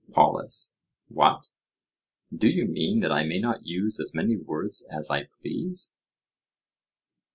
POLUS: What! do you mean that I may not use as many words as I please?